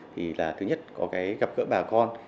thứ nhất là gặp gỡ bà con